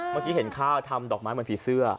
เมื่อกี้เห็นข้าวทำดอกไม้เหมือนผีเสื้อ